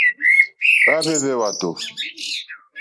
Hwáhwɛ̂hwɛ́ hwàtò.